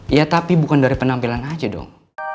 ya tapi bukan dari penampilan aja dong